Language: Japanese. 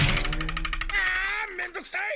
あめんどくさい！